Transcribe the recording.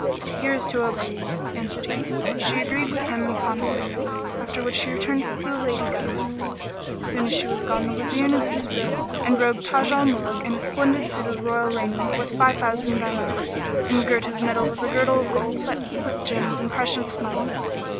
"To hear is to obey" answered he; and she agreed with him upon a signal, after which she returned to the Lady Dunya. As soon as she was gone, the Wazir and Aziz rose and robed Taj al Muluk in a splendid suit of royal raiment worth five thousand diners, and girt his middle with a girdle of gold set with gems and precious metals.